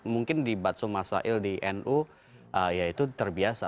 mungkin di batsu masail di nu ya itu terbiasa